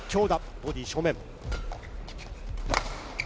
ボディー正面。